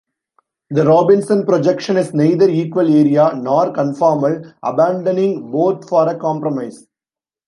The Robinson projection is neither equal-area nor conformal, abandoning both for a compromise.